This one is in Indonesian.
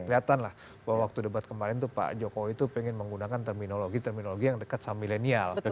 kelihatan lah bahwa waktu debat kemarin tuh pak jokowi itu pengen menggunakan terminologi terminologi yang dekat sama milenial